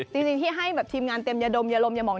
จริงที่ให้แบบทีมงานเต็มอย่าดมยาลมอย่าหมอง